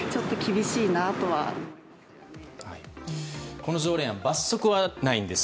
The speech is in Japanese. この条例案、罰則はないんです。